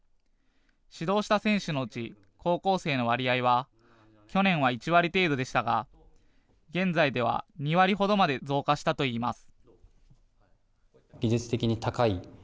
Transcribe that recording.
指導した選手のうち高校生の割合は去年は１割程度でしたが現在では２割程まで増加したといいます。